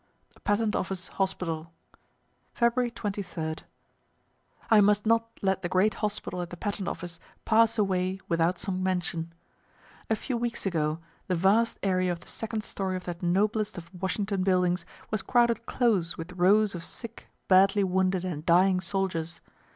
PATENT OFFICE HOSPITAL February 23. I must not let the great hospital at the Patent office pass away without some mention. A few weeks ago the vast area of the second story of that noblest of Washington buildings was crowded close with rows of sick, badly wounded and dying soldiers.